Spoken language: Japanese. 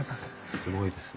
すごいですね。